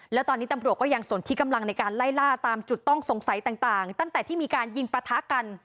แล้วตอนนี้ตำรวจก็ยังสนที่กำลังในการไล่ล่าตามจุดต้องสงสัยต่างตั้งแต่ที่มีการยิงปะทะกัน